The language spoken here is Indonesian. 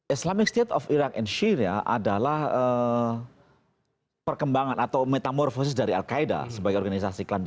islamic state of irug and syria adalah perkembangan atau metamorfosis dari al qaeda sebagai organisasi iklan